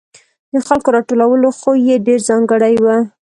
د خلکو راټولولو خوی یې ډېر ځانګړی و.